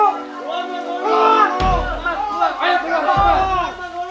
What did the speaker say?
aku disakan oleh anggota ia